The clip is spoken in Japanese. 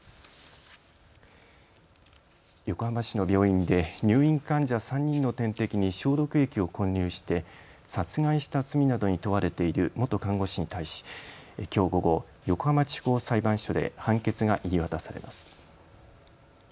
横浜市の病院で入院患者３人の点滴に消毒液を混入して殺害した罪などに問われている元看護師に対しきょう午後、横浜地方裁判所で判決が言い渡されます。